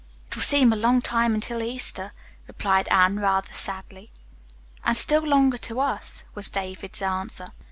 "It will seem a long time until Easter," replied Anne rather sadly. "And still longer to us," was David's answer.